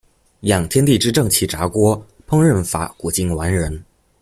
養天地正氣炸鍋，烹飪法古今完人